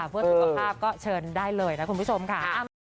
เพื่อสุขภาพก็เชิญได้เลยนะคุณผู้ชมค่ะ